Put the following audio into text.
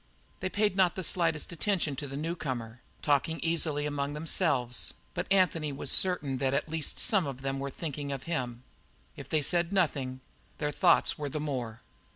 They paid not the slightest attention to the newcomer, talking easily among themselves, but Anthony was certain that at least some of them were thinking of him. If they said nothing, their thoughts were the more.